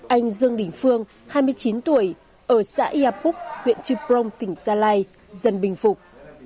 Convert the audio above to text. anh dương đình phương hai mươi chín tuổi ở xã yà phúc huyện trư prong tỉnh gia lai dần bình phục